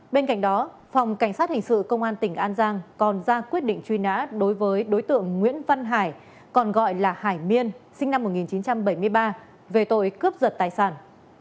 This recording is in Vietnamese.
bên cạnh đó phòng cảnh sát hình sự công an tỉnh an giang còn ra quyết định truy nã đối với đối tượng nguyễn văn hải còn gọi là hải miên sinh năm một nghìn chín trăm bảy mươi ba về tội cướp giật tài sản